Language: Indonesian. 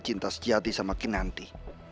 cinta sejati sama kinanti